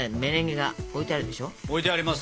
置いてあります。